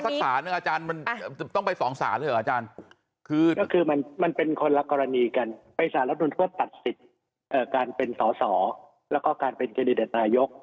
ก็คือมันเป็นคนละกรณีกันไปสารรัฐธรรมนูลเพื่อการตัดศิษย์การเป็นสอสอแล้วก็การเป็นเครดิเดตนายก